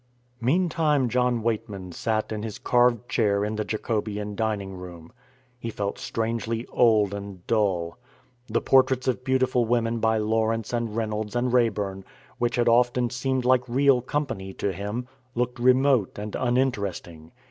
Meantime John Weightman sat in his carved chair in the Jacobean dining room. He felt strangely old and dull. The portraits of beautiful women by Lawrence and Reynolds and Raeburn, which had often seemed like real company to him, looked remote and uninteresting.